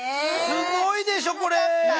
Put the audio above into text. すごいでしょこれ。